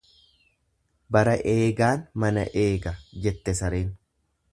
Bara eegaan mana eega jette sareen.